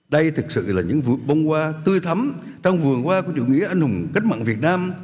đây thực sự là những vụ bông hoa tươi thấm trong vườn hoa của chủ nghĩa anh hùng cách mạng việt nam